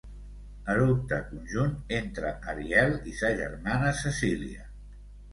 Eructe conjunt entre Ariel i sa germana Cecília.